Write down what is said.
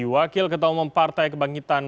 wakil ketua umum partai kebangkitan